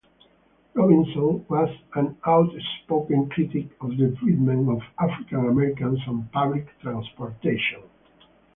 Robinson was an outspoken critic of the treatment of African-Americans on public transportation.